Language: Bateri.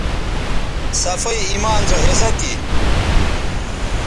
صفائ ایمان سو حصہ تھی